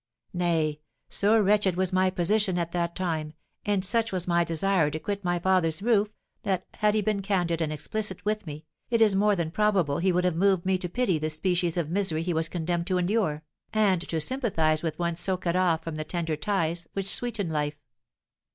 Nay, so wretched was my position at that time, and such was my desire to quit my father's roof, that, had he been candid and explicit with me, it is more than probable he would have moved me to pity the species of misery he was condemned to endure, and to sympathise with one so cut off from the tender ties which sweeten life.